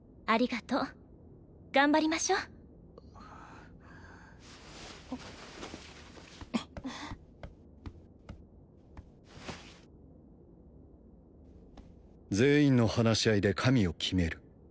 ありがとう頑張りましょう全員の話し合いで神を決める